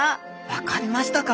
分かりましたか？